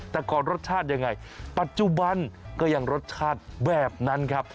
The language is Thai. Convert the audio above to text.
แต่ก่อนรสชาติยังไงปัจจุบันก็ยังรสชาติแบบนั้นครับ